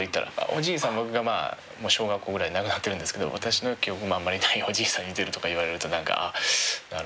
おじいさんが小学校ぐらいで亡くなってるんですけど私の記憶にあんまりないおじいさんに似てるとか言われるとああなるほどなあ